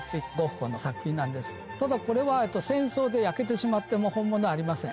ただこれは戦争で焼けてしまってもう本物はありません。